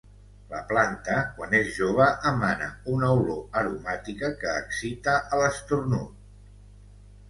La planta quan és jove emana una olor aromàtica que excita a l'esternut.